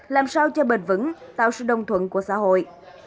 làm sao cho bền vững tạo sự đồng thuận của xã hội